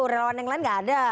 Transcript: relawan yang lain gak ada